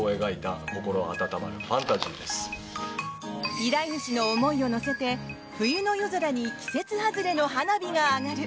依頼主の思いを乗せて冬の夜空に季節外れの花火が上がる。